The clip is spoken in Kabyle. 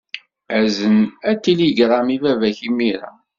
Azen atiligṛam i baba-k imir-a.